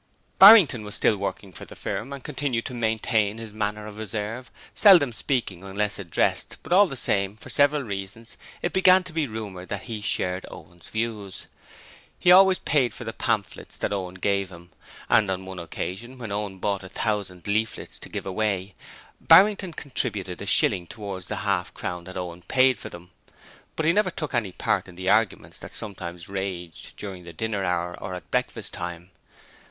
Barrington was still working for the firm and continued to maintain his manner of reserve, seldom speaking unless addressed but all the same, for several reasons, it began to be rumoured that he shared Owen's views. He always paid for the pamphlets that Owen gave him, and on one occasion, when Owen bought a thousand leaflets to give away, Barrington contributed a shilling towards the half crown that Owen paid for them. But he never took any part in the arguments that sometimes raged during the dinner hour or at breakfast time.